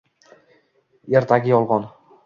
Ertagi yolg’on